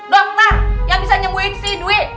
dokter yang bisa nyembuhin si dwi